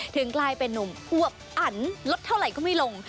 ถึงกลายเป็นนุ่มควบอันลดเท่าไหร่ก็ไม่ลง